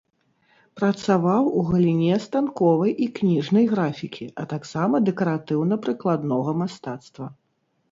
Працаваў у галіне станковай і кніжнай графікі, а таксама дэкаратыўна-прыкладнога мастацтва.